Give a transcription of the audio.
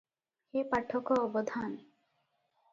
ହେ ପାଠକ ଅବଧାନ!